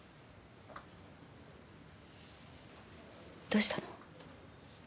どうしたの？